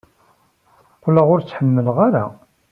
Qqleɣ ur tt-ḥemmleɣ ara.